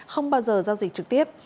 không bao giờ giao dịch trực tiếp